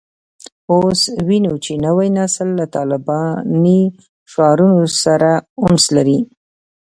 اوس وینو چې نوی نسل له طالباني شعارونو سره انس لري